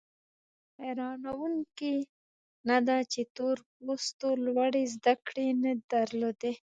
حیرانوونکي نه ده چې تور پوستو لوړې زده کړې نه درلودې.